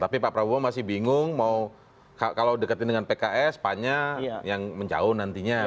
tapi pak prabowo masih bingung mau kalau deketin dengan pks pannya yang menjauh nantinya